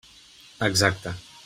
Exacte.